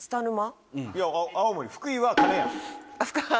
いや青森福井は。